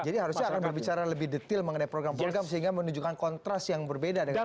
jadi harusnya akan berbicara lebih detail mengenai program program sehingga menunjukkan kontras yang berbeda dengan ahok